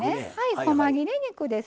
こま切れ肉です。